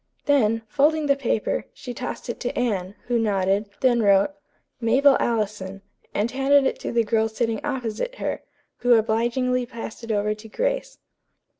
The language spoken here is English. Then, folding the paper, she tossed it to Anne, who nodded; then wrote, "Mabel Allison," and handed it to the girl sitting opposite her, who obligingly passed it over to Grace.